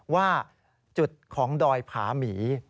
ว่าจุดของดอยผาหมี